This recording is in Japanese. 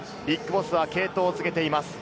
ＢＩＧＢＯＳＳは継投を告げています。